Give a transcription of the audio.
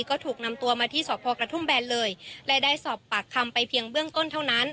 ก็ถูกนำตัวมาที่สพกระทุ่มแบนเลยและได้สอบปากคำไปเพียงเบื้องต้นเท่านั้น